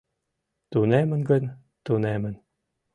Тунемын гын тунемын